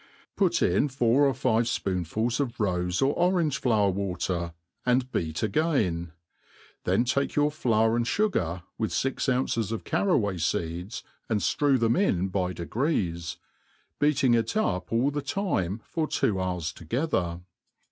Put ifi four or fiv^e ff)i09iifuli of i'ofe lOr otraage flawer vi^ater, .frnd beat agai<v^ thea take your flour and fugar, with £k oonces ^fcurraway feeds, and ftrew them in by degrees, beat ing it up all the time 6>r two hours together.